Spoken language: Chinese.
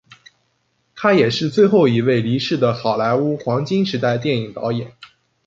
他也是最后一位离世的好莱坞黄金时代电影导演。